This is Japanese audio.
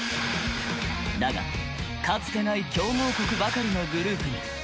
だがかつてない強豪国ばかりのグループに。